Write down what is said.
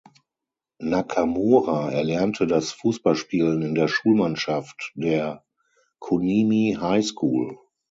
Nakamura erlernte das Fußballspielen in der Schulmannschaft der "Kunimi High School".